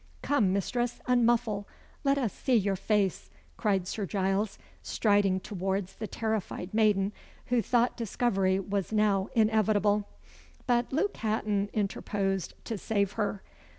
"Come, mistress, unmuffle. Let us see your face," cried Sir Giles, striding towards the terrified maiden, who thought discovery was now inevitable. But Luke Hatton interposed to save her.